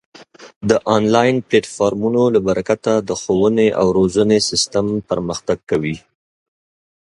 د آنلاین پلتفورمونو له برکته د ښوونې او روزنې سیستم پرمختګ کوي.